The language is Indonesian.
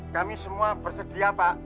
kami semua bersedia pak